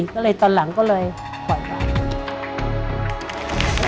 ก็เลยตอนหลังก็เลยปล่อยไป